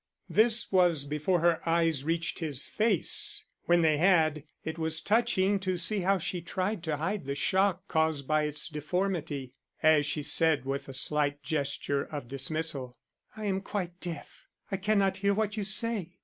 This was before her eyes reached his face; when they had, it was touching to see how she tried to hide the shock caused by its deformity, as she said with a slight gesture of dismissal: "I'm quite deaf. I cannot hear what you say.